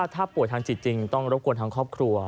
ถ้าป่วยทางจิตจริงต้องรบกวนทางครอบครัว